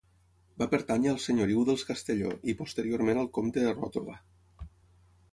Va pertànyer al senyoriu dels Castelló i, posteriorment al comte de Ròtova.